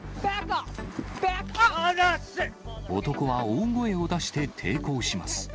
男は大声を出して抵抗します。